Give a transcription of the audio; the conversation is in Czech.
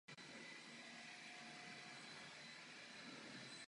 Sídlí ve Vídni a hlavní základnu má na zdejším letišti.